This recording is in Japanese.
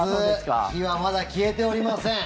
火はまだ消えておりません。